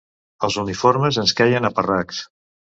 Els uniformes ens queien a parracs